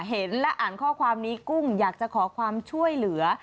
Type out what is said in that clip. เห็นและอ่านข้อความนี้กุ้งอยากจะขอความช่วยเหลือ